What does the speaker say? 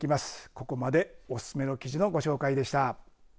ここまでおすすめの記事のご紹介でした。